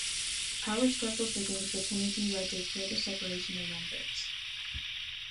Power struggles within the fraternity led to further separation of members.